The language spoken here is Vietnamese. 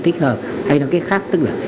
thích hợp hay là cái khác tức là